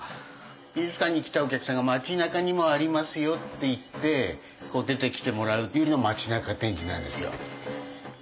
美術館に来たお客さんが街中にもありますよって言って出てきてもらうっていう街中展示なんですよ。